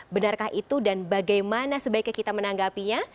benarkah itu dan bagaimana sebaiknya kita menanggapinya